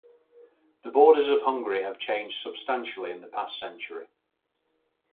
The borders of Hungary have changed substantially in the past century.